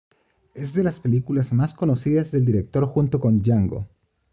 Es de las películas más conocidas del director junto con Django.